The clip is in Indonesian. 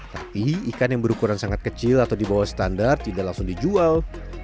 tapi ikan yang berukuran sangat kecil atau di bawah standar tidak langsung dijual